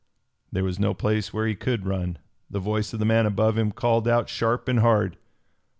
There was no place where he could run. The voice of the man above him called out sharp and hard.